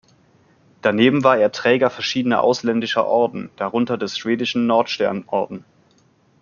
Daneben war er Träger verschiedener ausländischer Orden, darunter des schwedischen Nordstern-Orden.